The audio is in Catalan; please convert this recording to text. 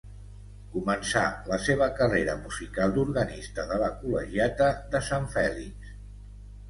Començà la seva carrera musical d'organista de la col·legiata de Sant Fèlix.